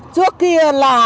trước kia là